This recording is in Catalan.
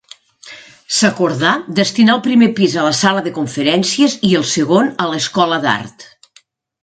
S'acordà destinar el primer pis a sala de conferències i el segon a escola d'art.